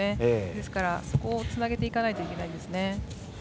ですから、そこをつなげていかないといけないです。